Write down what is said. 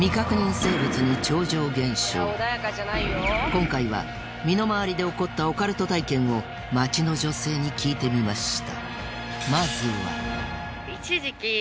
今回は身の回りで起こったオカルト体験を街の女性に聞いてみました